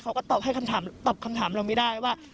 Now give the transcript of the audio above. เขาก็ตอบให้คำถามตอบคำถามเราไม่ได้ว่า